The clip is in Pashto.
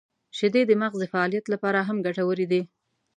• شیدې د مغز د فعالیت لپاره هم ګټورې دي.